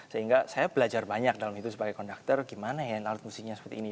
sehingga saya belajar banyak dalam itu sebagai konduktor gimana ya alat musiknya seperti ini